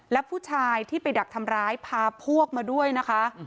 และผู้ชายที่ไปดักทำร้ายพาพวกมาด้วยนะคะ